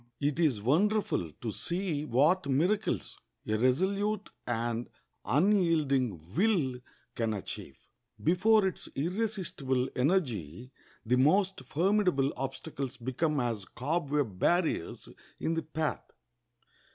It is wonderful to see what miracles a resolute and unyielding will can achieve. Before its irresistible energy the most formidable obstacles become as cobweb barriers in the path.